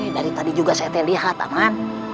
dari tadi juga saya terlihat aman